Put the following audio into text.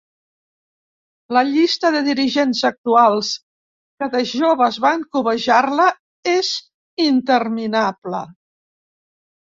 La llista de dirigents actuals que de joves van cobejar-la és interminable.